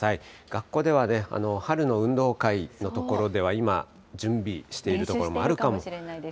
学校では春の運動会の所では今、準備しているところもあるかも。